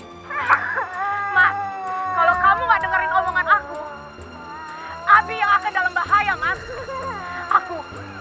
mak kalau kamu gak dengerin omongan aku api yang akan dalam bahaya mas aku